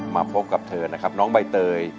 มาพบกับเธอนะครับน้องใบเตย